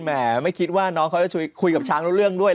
ไม่คิดว่าน้องเขาจะคุยกับช้างรู้เรื่องด้วย